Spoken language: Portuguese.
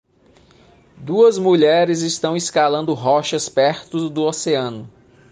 Duas mulheres estão escalando rochas perto do oceano.